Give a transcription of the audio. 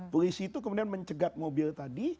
polisi itu kemudian mencegat mobil tadi